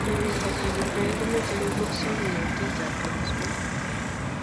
Urerietab kebir beek ko mochei musoknoteetab kengus beek